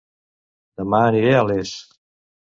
Dema aniré a Les